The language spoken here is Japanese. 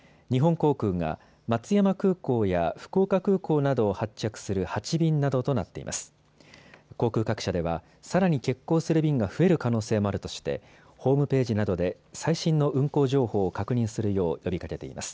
航空各社ではさらに欠航する便が増える可能性もあるとしてホームページなどで最新の運航情報を確認するよう呼びかけています。